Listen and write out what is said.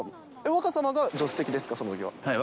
若様、助手席です。